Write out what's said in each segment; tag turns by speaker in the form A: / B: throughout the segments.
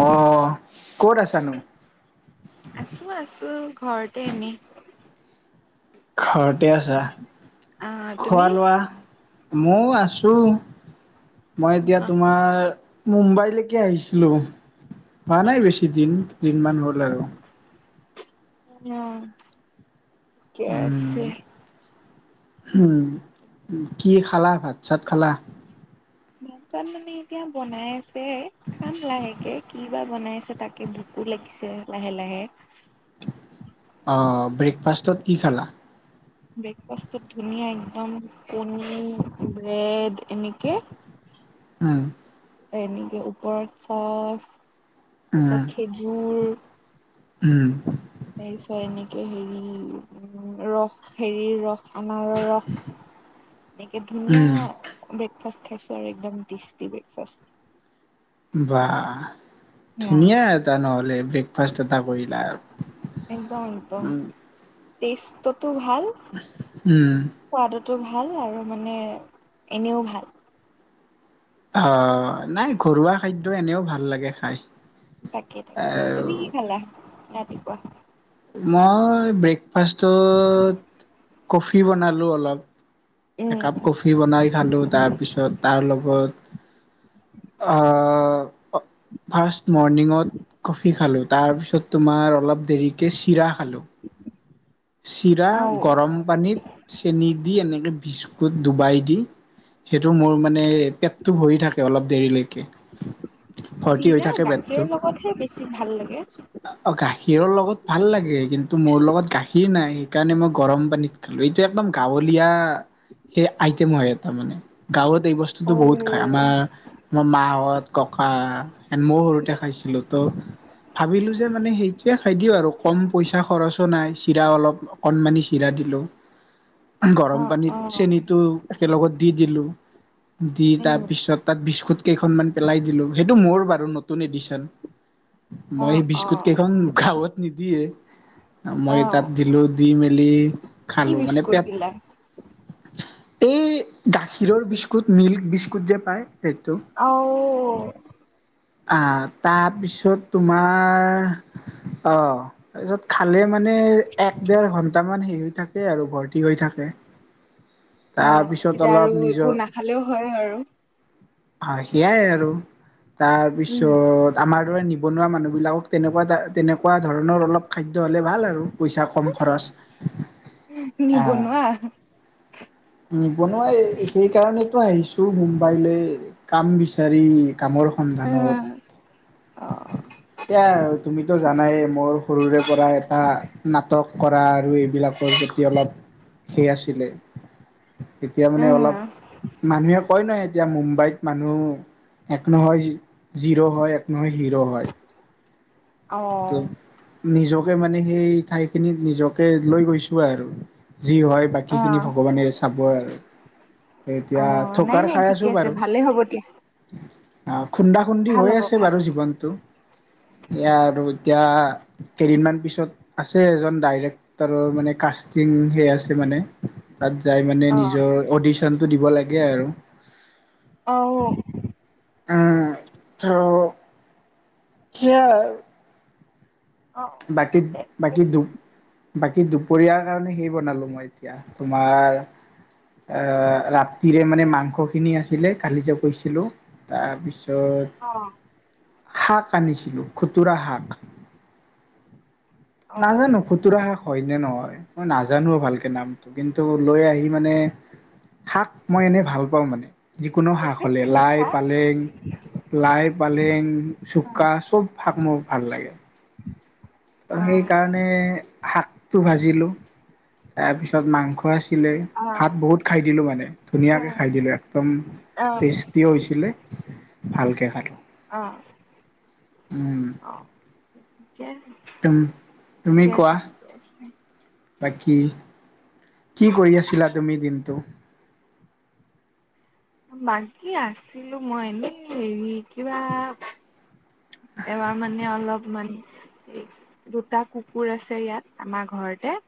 A: অ ক'ত আছা নো।
B: আছো আছো ঘৰতে এনেই।
A: ঘৰত। থিকেই আছা
B: আহ
A: খোৱা
B: তুমি
A: লোৱা? ময়ো আছো। মই এতিয়া তোমাৰ। মুম্বাইলৈকে আহিছিলো হোৱা নাই বেছি দিন দুদিনমান হ'ল আৰু।
B: উম থিকেই আছে।
A: উম উম কি খালা ভাত চাত খালা।
B: ভাত চাত মানে এতিয়া বনাই আছে? চে খাম লাহেকে কি বা বনাইছে? পিছে তাকে ভোকো লাগিছে লাহে লাহে।
A: অ ব্ৰেকফাষ্টত কি খালা।
B: ব্ৰেকফাষ্টটোত ধুনীয়া একদম কণী ব্ৰেড। এনেকে।
A: উম
B: এনেকে ওপৰত চচ।
A: উম
B: তাৰপিছত খেজুৰ?
A: উম
B: তাৰ পিছত এনেকে হেৰি উম ৰস হেৰি ৰস। আনাৰৰ ৰস একে ধুনীয়া
A: উম
B: ব্ৰেকফাষ্ট? খাইছো আৰু একদম টেষ্টি ব্ৰেকফাষ্ট।
A: বাহ
B: অ
A: ধুনীয়া এটা নহ'লে ব্ৰেকফাষ্ট এটা কৰিলা আৰু উম।
B: টেষ্ট টোত। টো ভাল
A: উম।
B: সোৱাদত। ভাল আৰু মানে এনেও ভাল।
A: অ অ নাই ঘৰুৱা খাদ্য। এটো এনেও ভাল লাগে খাই।
B: তাকে তাকে তুমি কি খালা? কেকুৱা।
A: মই ব্ৰেকফাষ্টত কফি বনালো অলপ।
B: উম
A: একাপ কফি বনাই খালো। তাৰপিছত তাৰ লগত আহ্ ফাষ্ট মৰ্ণিঙত কফি খালোঁ। তাৰপিছত তোমাৰ অলপ দেৰিকে চিৰা খালো। চিৰা
B: আও
A: গৰম পানীত চেনি দি এনেকৈ বিজ ডুবাই দি সেইটো মোৰ মানে পেটতটো ভৰি থাকে অলপ দেৰিলৈকে। ভৰ্তি হৈ
B: চিৰা
A: থাকে পেতটো
B: গাখীৰৰ লগতহে বেছি ভাল লাগে
A: অ গাখীৰৰ লগত ভাল লাগে কিন্তু মোৰ লগত গাখীৰ নাই, সেইকাৰণে মই গৰম পানীত খালো এতিয়া একদম গাঁৱলীয়া। সেই আইটেম তাৰ মানে গাঁৱত। এই বস্তুতো
B: অ
A: বহুত খাই। আমাৰ আমাৰ মাহত, ককা এন মই সৰুতে খাইছিলো ত ভাবিলো যে মানে সেইটোয়ে খাই দিওঁ আৰু কম পইচা খৰচো নাই। এতিয়া অলপ অকণমানি চিৰা দিলোঁ।
B: অ
A: গৰম
B: অ
A: পানীত চেনিটো একেলগত দি দিলোঁ। দি
B: উম
A: তাৰপিছত তাত বিস্কুট কেইখনমান পেলাই দিলোঁ, সেইটো মোৰ বাৰু নতুন এডিচন।
B: অ
A: মই
B: অ
A: বিস্কুট কেইখন গাঁৱত নিদিয়ে।
B: অ
A: মই তাত দিলোঁ দি মেলি লি
B: কি বিস্কুত দিলা?
A: এই গাখীৰৰ বিস্কুট মিল্ক। বিস্কুট যে পায়। সেইটো
B: অ
A: আহ তাৰপিছত তোমাৰ অ তাৰপিছত খালে মানে, এক দেৰ ঘন্টামান হেৰি হৈ থাকে আৰু ভৰ্তি হৈ থাকে।
B: অ
A: তাৰপিছত
B: তেতিয়া
A: অলপ
B: আৰু একো নাখালেও হয় আৰু
A: আহ সেয়াই আৰু
B: উম
A: তাৰপিছত আমাৰ আৰু নিবনুৱা মানুহবিলাকক তেনেকুৱা তেনেকুৱা ধৰণৰ অলপ খাদ্য হ'লে ভাল আৰু পইচা কম খৰচ
B: নিবনুৱা
A: উম নিবনুৱা সেই কাৰণে আহিছো মুম্বাইলৈ কাম বিচাৰি কামৰ সন্ধানত
B: অ
A: এয়া তুমিতো জানাই
B: ঠিকে আছে
A: মোৰ সৰুৰে পৰা এটা নাটক কৰা আৰু এইবিলাকৰ প্ৰতি অলপ সে আছিলে এতিয়া মানে
B: উম
A: অলপ মানুহে কয় নহ এতিয়া মুম্বাইত মানুহ এক নহয় জিৰ' হয় এক নহয় হিৰ' হয়
B: অহঁ
A: ত নিজকে মানে সেই ঠাইখিনিত নিজকে লৈ গৈছো আৰু যি হয় বাকীখিনি
B: অ
A: ভগৱানে চাব আৰু
B: অ
A: এতিয়া থোক
B: নাই নাই
A: খাই আছো
B: ঠিকে আছে
A: বাৰু
B: ভালে হ'ব দিয়া
A: অঁ। খুন্দা খুন্দি
B: ভাল
A: হৈ
B: হ'ব
A: আছে
B: ভাল
A: বাৰু জীৱনটো
B: হ'ব অ
A: ইয়াৰ এতিয়া কেইদিনমান পিছত আছে এজন ডাইৰেক্টৰৰ মানে কাষ্টিং সে আছে মানে তাত যাই মানে
B: অ
A: নিজৰ অঁ। দিব লাগে আৰু
B: আঁহ
A: উম ত [unintelligible] বাকী বাকী দু বাকী দুপৰীয়াৰ কাৰণে সেই বনালো মই এতিয়া তোমাৰ এ ৰাতিৰে মানে মাংস খিনি আছিলে কালি যে কৈছিলো তাৰপিছত
B: অ
A: [unintelligible] শাক আনিছিলো খুতুৰা শাক।
B: অ
A: নাজানো খুতুৰা হয় নে নহয় মই নাজানো ভালকে নামটো কিন্তু লৈ আহি মানে শাক মই এনেই ভাল পাওঁ মানে যিকোনো শাক
B: নিজে
A: হ'লে লাই
B: কিনিছা
A: পালেং লাই পালেং
B: অ
A: চুকা চব শাক মোৰ ভাল লাগে। ত
B: অ
A: সেইকাৰণে শাকটো ভাজিলোঁ তাৰ পিছত মাংস খোৱাছিলে
B: অ
A: ভাত বহুত খাই দিলোঁ মানে ধুনীয়াকৈ খাই দিলোঁ একদম টেষ্টিও হৈছিলে ভালকে খালোঁ
B: অঁ।
A: উম,
B: অহ অঁহ।
A: তুম তুমি
B: ঠিকে আছে
A: কোৱা
B: আজিলে
A: বাকী কি' কৰি আছিলা তুমি দিনটো?
B: বাকী আছিলো মই এনেই। হেৰি কিবা- এবাৰ মানে' অলপ মান- দুটা কুকুৰ আছে ইয়াত। আমাৰ ঘৰতে-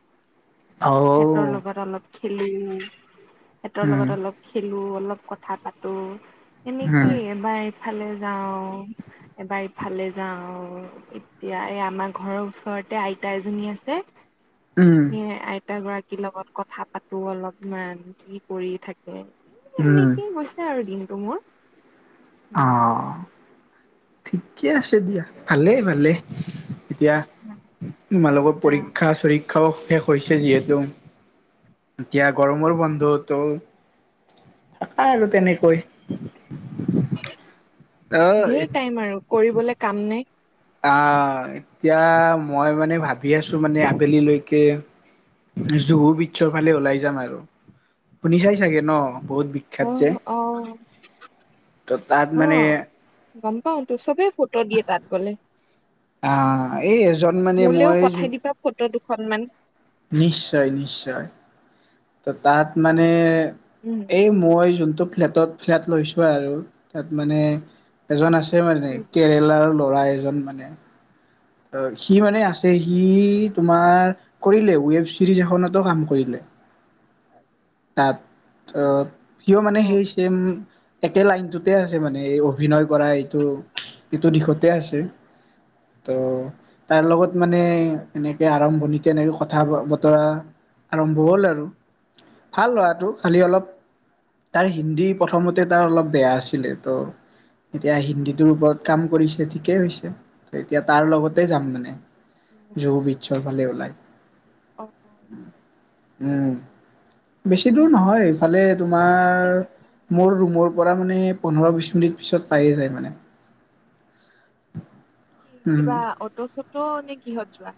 A: অ
B: সিহতৰ লগত অলপ- খেলিবলে। সিহঁতৰ
A: উম
B: লগত অলপ খেলিলো। অলপ কথা পাতো।
A: উম,
B: এনেকৈ এবাৰ- ইফালে যাওঁ, এবাৰ ইফালে যাঁও। এতিয়া এই আমাৰ ঘৰৰ ওচৰতে আইতা এজনী আছে।
A: উম,
B: [unintelligible] আইতা গৰাকীৰ লগত কথা পাতো অলপমান। কি কৰি থাকে। এনেই
A: উম,
B: এনেকৈ গৈছে আৰু দিনবোৰ। তোমাৰ-
A: অঁ ঠিকে আছে দিয়া। ভালেই, ভালেই। এতিয়া তোমালোকৰ পৰীক্ষা- চৰিক্ষা- শেষ হৈছে। যিহেতু এতিয়া গৰমৰ বন্ধতো আৰু তেনেকৈ।
B: হয়।
A: অ'
B: ধেৰই টাইম আৰু কৰিবলে কাম নাই।
A: আঁহ এতিয়া মই মানে ভাবি আছো মানে আবেলি লৈকে জুহু বিছৰ ফালে ওলাই যাম আৰু। শুনিছাই চাগে ন'? বহুত বিখ্যাত
B: আঁহ,
A: যে
B: আঁহ,
A: ত' তাত মানে
B: আঁহ, গম পাওঁ তো। চবেই ফটো দিয়ে তা'ত গলে।
A: আঁহ এই এজন মানে
B: মোলেও পঠাই
A: মই-
B: দিবা ফটো দুখনমান
A: নিশ্চয়, নিশ্চয়। ত' তাত মানে-
B: উম
A: এই মই যোনটো- ফ্লেটত, ফ্লেট লৈছো আৰু। তা'ত মানে এজন আছে- মানে
B: উম
A: কেৰেলা'ৰ- লৰা এজন মানে- সি মানে আছে। সি তোমাৰ কৰিলে ওৱেব চিৰিজ এখনতো কাম কৰিলে। তা'ত অঁ সিও মানে
B: অ
A: সেই চেম- একে লাইনটোতে আছে। মানে এই অভিনয় কৰা এইটো, এইটো দিশতে আছে।
B: অ
A: ত' তাৰ লগত মানে এনেকৈ আৰম্ভণিতে এনেকৈ কথা- বতৰা আৰম্ভ হ'ল। আৰু ভাল হোৱাটো খালি অলপ তাৰ, হিন্দী প্ৰথমতে তাৰ অলপ বেয়া আছিলে। ত' এতিয়া হিন্দীটোৰ ওপৰত কাম কৰিছে ঠিকেই হৈছে। এতিয়া তাৰ লগতে যাম মানে। জুহু বিছৰ ফালে ওলাই
B: অ
A: উম বেছি দূৰ নহয় এইফালে তোমাৰ মোৰ ৰুমৰ পৰা মানে পোন্ধৰ বিশ মিনিট পিছত পায়ে যায় মানে।
B: কি
A: উম
B: কিবা অটো চ টো নে কিহত যোৱা?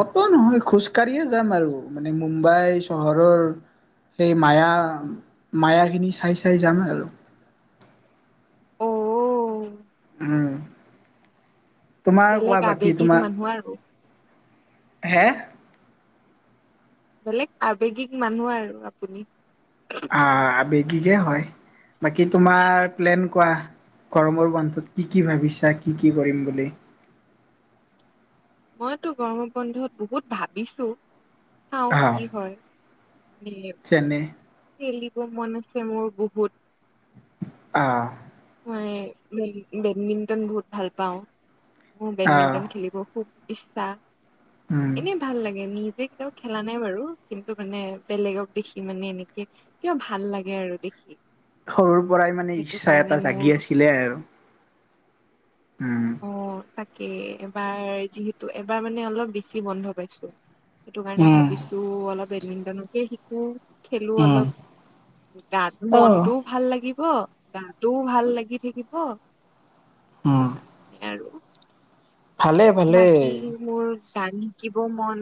A: অটো নহয় খোজ কাঢ়িয়েই যাম আৰু মানে মুম্বাই চহৰৰ সেই মায়া মায়াখিনি চাই চাই যাং আৰু।
B: অ
A: উম। তোমাৰ
B: বেলেগ
A: কোৱা বাকী
B: আবেগিক
A: তোমাৰ।
B: মানুহ আৰু
A: হে?
B: বেলেগ আবেগিক মানুহ আৰু আপুনি।
A: অহ আবেগিকে হয়। বাকী তোমাৰ প্লেন কোৱা গৰমৰ বন্ধত কি কি ভাবিছা কি কি কৰিম বুলি?
B: মইতো গৰমৰ বন্ধত বহুত ভাবিছো চাওঁ
A: আহ
B: কি হয়। মানে
A: যেনে
B: খেলিব মন আছে মোৰ বহুত
A: অহ।
B: মই বেড বেডমিণ্টন বহুত ভাল পাওঁ। মোৰ
A: আহ
B: বেডমিণ্টন খেলিব খুব ইচ্ছা
A: উম
B: এনেই ভাল লাগে নিজ নিজে কেতিয়াও খেলা নাই বাৰু কিন্তু মানে বেলেগক দেখি মানে এনেকে কিবা ভাল লাগে আৰু দেখি
A: সৰুৰ পৰাই মানে
B: সেইটো
A: ইচ্ছা এ
B: কাৰণে
A: টা
B: মোৰ
A: জাগি আছিলে আৰু হুম।
B: অ তাকে এবাৰ যিহেতু এবাৰ মানে অলপ বেছি বন্ধ পাইছো। সেইটো কাৰণে
A: উম
B: ভাবিছো অলপ মিণ্টনকে শিকোঁ। খেলো
A: উম
B: অলপ গা
A: আহ
B: মনটোও ভাল লাগিব অ গা টো ভাল লাগি থাকিব
A: উম
B: সেইটো কাৰণে আৰু।
A: ভালে ভালে।
B: বাকী মোৰ গান শিকিব মন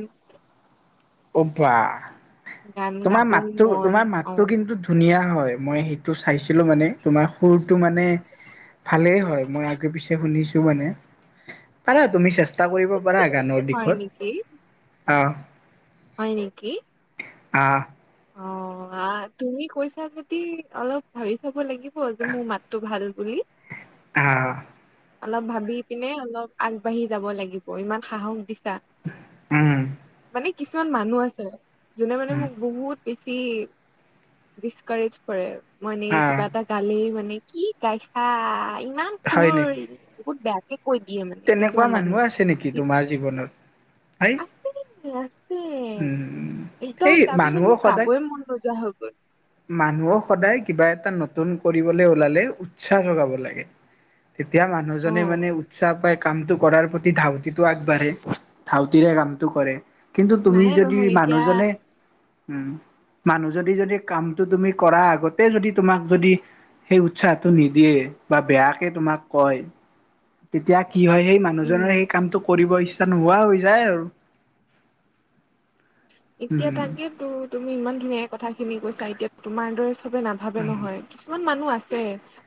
A: অ বা।
B: গান
A: তোমাৰ
B: গাব
A: মাতটো
B: মন
A: তোমাৰ
B: অ
A: মাতটো কিন্তু ধুনীয়া হয়। মই সেইটো চাইছিলো মানে তোমাৰ সুৰটো মানে ভালেই হয় মই আগে পিছে শুনিছো মানে পাৰা তুমি চে ষ্টা কৰিব পাৰা গানৰ
B: হয়
A: দিশত
B: নেকি
A: অ।
B: হয় নেকি?
A: অহ
B: অহ তুমি কৈছা যদি অলপ ভাবি ব লাগিব যে মোৰ মাতটো ভাল। বুলি।
A: অহ।
B: অলপ ভাবি পিনে অলপ আগবাঢ়ি যাব লাগিব ইমান সাহস দিছা।
A: উম।
B: মানে কিছুমান মানুহ আছে। যোনে মানে
A: উম,
B: মোক বহুত বেছি ডিছকাৰেজ কৰে আৰু। মানে
A: আহ,
B: কিবা এটা গালে মানে কি গাইছা? ইমান সুৱৰি বহুত বেয়াকে কৈ দিয়ে মানে
A: তেনেকোৱা
B: কিছুমান মানুহে
A: মানুহ আছে নেকি তোমাৰ জীৱনত? সেই।
B: আছে আছে
A: উম।
B: একদম
A: সেই
B: তাৰপিছত
A: মানুহক
B: মোৰ
A: সদায়,
B: গাবই মন নোযোৱা হৈ গ'ল
A: মানুহক সদায় কিবা এটা নতুন নতুন কৰিবলৈ ওলালে উৎসাহেৰে গাব লাগে। তেতিয়া
B: অ
A: মানুহজনে মানে উৎ সাহ পাই কামটো কৰাৰ প্ৰতি ধাউতিটো আগবাঢ়ে, ধাউতিৰে কামটো কৰে। কিন্তু তুমি
B: নাই
A: যদি
B: নহয় এতিয়া
A: মানুহজনে উম মানুহ যদি-যদি কামটো তুমি কৰাৰ আগতে যদি তোমাক যদি সেই উৎসাহটো নিদিয়ে বা বেয়াকে তোমাক কয়। তেতিয়া কি হয় সেই মানুহজনে
B: উম
A: সেই কামটো কৰিব ইচ্ছা নোহোৱা হৈ যায় আৰু।
B: এতিয়া
A: উম
B: তাকে তো তুমি ইমান ধুনীয়াকে কথাখিনি কৈছা এতিয়া তোমাৰ দৰে চ বে নাভাবে নহয় কিছুমান মানুহ আ ছে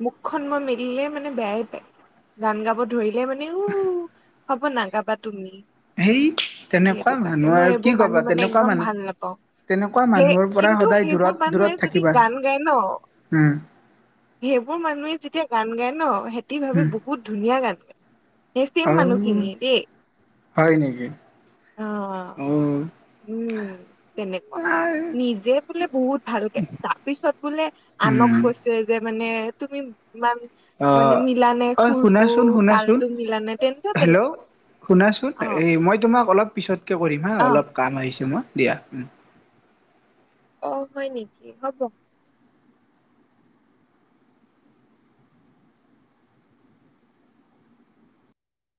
B: মুখখন মই মেলিলে মানে বেয়াই পায়। গান গাব ধৰি এ মানে ও হ'ব নাগাবা তুমি।
A: হেই। তেনেকোৱা
B: সেইটো কাৰণে
A: মানুহ
B: মই
A: আৰু কি
B: এইবোৰ
A: কবা
B: মানুহ মানে
A: তেনেকোৱা
B: একদম ভাল নাপাও। সেই
A: পৰা
B: কিন্তু
A: সদায়
B: সেইবোৰ
A: দূৰত দূৰত
B: মানুহে যদি
A: থাকিবা
B: গান গায় ন,
A: উম
B: সেইবোৰ মানুহে যেতিয়া গান গায় ন? হেতি ভাবে
A: উম
B: বহুত ধুনীয়া গান এ চেম
A: অ
B: মানুহখিনি দেই।
A: হয় নেকি?
B: অ
A: অ
B: উম তেনেকুৱা মানে নিজে বোলে বহুত ভালকে তাৰপিছত বোলে আনক
A: উম
B: কৈছে। যে মানে- তুমি ইমান
A: অ
B: মানে মিলা নাই
A: অ
B: সুৰটো
A: শুনাচোন শুনাচোন
B: তালটো মিলা নে তেন্তে বেলেগ
A: হেল্ল'
B: কথা অ
A: পিছত কৰিম হা
B: অ
A: অলপ কাম আহিছোঁ মোৰ দিয়া উম।
B: অ হয় নেকি হ'ব।